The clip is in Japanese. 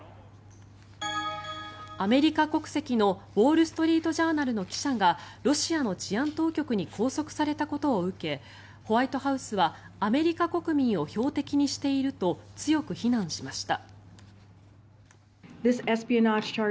アメリカ国籍のウォール・ストリート・ジャーナルの記者がロシアの治安当局に拘束されたことを受けホワイトハウスはアメリカ国民を標的にしていると強く非難しました。